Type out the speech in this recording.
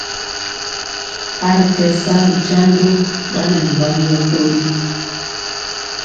A ri kɛ sa jando ɓanɛ ŋgwanjɔ toli.